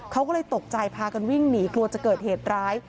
เขาก็เลยตกใจพากันวิ่งหนีกลัวจะเกิดเหตุร้าย